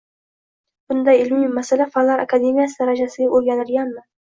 Bunday ilmiy masala Fanlar akademiyasi darajasida o‘rganilganmi?